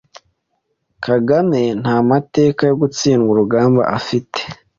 Kagame nta mateka yo gutsindwa urugamba afite,